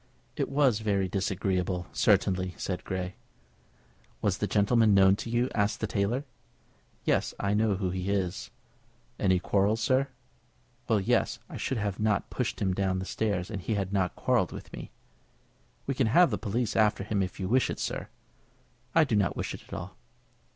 "It was very disagreeable, certainly," said Grey. "Was the gentleman known to you?" asked the tailor. "Yes; I know who he is." "Any quarrel, sir?" "Well, yes. I should not have pushed him down stairs had he not quarrelled with me." "We can have the police after him if you wish it, sir?" "I don't wish it at all."